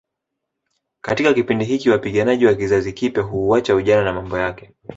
Katika kipindi hiki wapiganaji wa kizazi kipya huuacha ujana na mambo yake